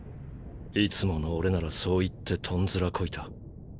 いつもの俺ならそう言ってトンズラこいた。